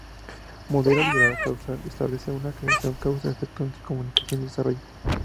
Modelo Liberal-Causal: Establece una relación causa efecto entre comunicación y desarrollo.